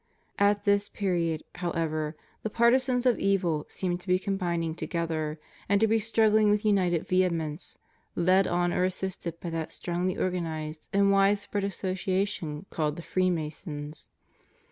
At this period, however, the 84 FREEMASONRY. partisans of evil seem to be combining together, and to be struggling with united vehemence, led on or assisted by that strongly organized and widespread association called the Freemasons.